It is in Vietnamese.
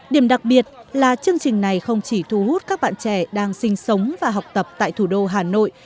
điểm đặc biệt là chương trình này không chỉ thu hút các bạn trẻ đang sinh sống và học tập tại thủ đô hà nội